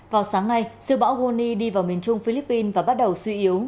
vào sáng nay siêu bão goni đi vào miền trung philippines và bắt đầu suy yếu